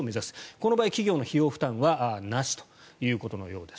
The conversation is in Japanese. この場合、企業の費用負担はなしということです。